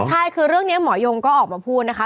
ใช่คือเรื่องนี้หมอยงก็ออกมาพูดนะคะ